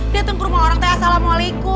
dateng ke rumah orang teh assalamu'alaikum